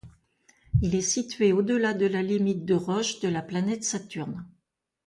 Il est situé au-delà de la limite de Roche de la planète Saturne.